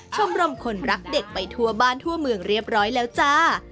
ชมรมคนรักเด็กไปทั่วบ้านทั่วเมืองเรียบร้อยแล้วจ้า